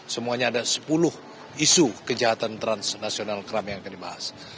semuanya ada sepuluh isu kejahatan transnasional crime yang akan dibahas